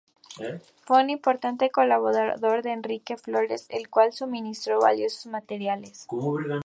Fue un importante colaborador de Enrique Flórez, al cual suministró valiosos materiales.